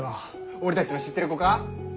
俺たちの知ってる子か？